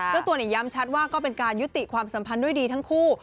เจ้าตัวเนี่ยย้ำชัดว่าก็เป็นการยุติความสัมพันธ์ด้วยดีทั้งคู่